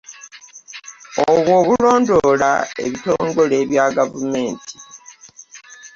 Obwo obulondoola ebitongole bya gavumenti